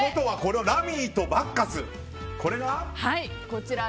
ラミーとバッカスは？